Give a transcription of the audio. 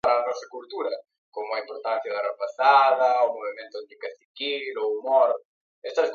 Fue director del Fondo de Cultura Económica.